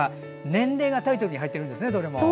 年齢がタイトルに入っているんですね、どれも。